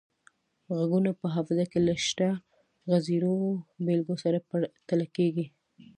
غږونه په حافظه کې له شته غږیزو بیلګو سره پرتله کیږي